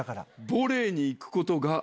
ボレーに行くことが。